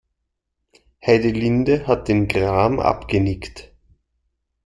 Heidelinde hat den Kram abgenickt.